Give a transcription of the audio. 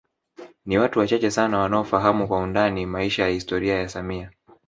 Ni watu wachache sana wanaofahamu kwa undani maisha na historia ya samia